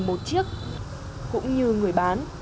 một chiếc cũng như người bán